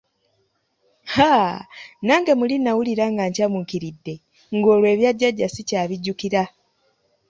Haa! Nange muli nnawulira nga ncamuukiridde ng'olwo ebya jjajja ssikyabijjukira.